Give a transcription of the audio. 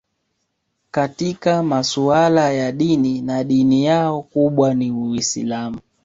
Katika masuala ya dini na dini yao kubwa ni Uislamu